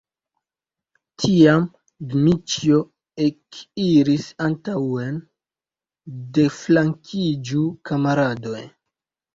Tiam Dmiĉjo ekiris antaŭen: "deflankiĝu, kamaradoj!"